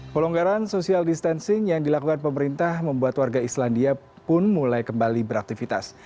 pelonggaran social distancing yang dilakukan pemerintah membuat warga islandia pun mulai kembali beraktivitas